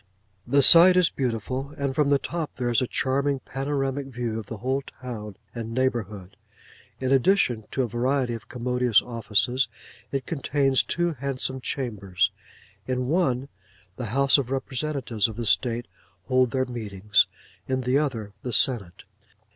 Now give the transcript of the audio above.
The site is beautiful: and from the top there is a charming panoramic view of the whole town and neighbourhood. In addition to a variety of commodious offices, it contains two handsome chambers; in one the House of Representatives of the State hold their meetings: in the other, the Senate.